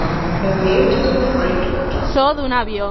Er wählte den Freitod.